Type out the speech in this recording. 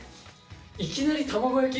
いきなり卵焼き？